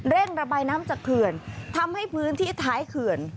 ระบายน้ำจากเขื่อนทำให้พื้นที่ท้ายเขื่อน